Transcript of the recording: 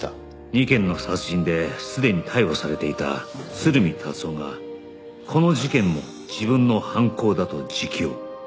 ２件の殺人ですでに逮捕されていた鶴見達男がこの事件も自分の犯行だと自供